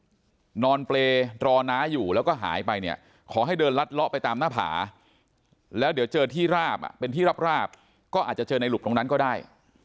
ก็นอนเปรย์รอน้าอยู่แล้วก็หายไปเนี่ยขอให้เดินลัดเลาะไปตามหน้าผาแล้วเดี๋ยวเจอที่ราบเป็นที่ราบก็อาจจะเจอในหลุบตรงนั้นก็ได้